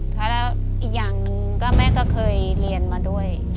แล้วอีกอย่างหนึ่งก็แม่ก็เคยเรียนมาด้วย